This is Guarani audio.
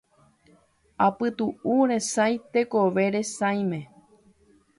Apytuʼũ resãi tekove resãime.